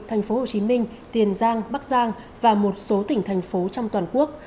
tp hồ chí minh tiền giang bắc giang và một số tỉnh thành phố trong toàn quốc